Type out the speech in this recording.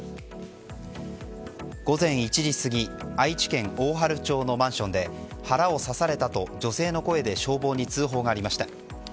午前１時過ぎ愛知県大治町のマンションで腹を刺されたと女性の声で消防に通報がありました。